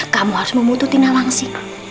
kamu harus membunuh nawangsi